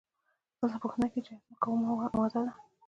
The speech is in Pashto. دلته پوښتنه کیږي چې ایا ځمکه اومه ماده ده؟